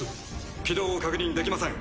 軌道を確認できません。